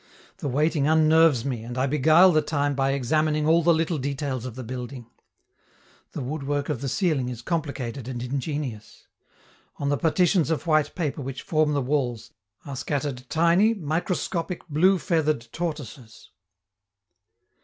The waiting unnerves me, and I beguile the time by examining all the little details of the building. The woodwork of the ceiling is complicated and ingenious. On the partitions of white paper which form the walls, are scattered tiny, microscopic, blue feathered tortoises.